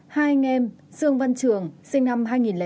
hai anh em dương văn trường sinh năm hai nghìn chín